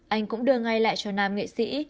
anh cũng đưa ngay lại cho nam nghệ sĩ